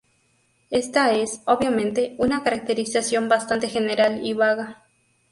Esta es, obviamente, una caracterización bastante general y vaga.